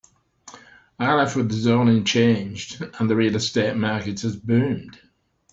I left when the zoning changed and the real estate market has boomed.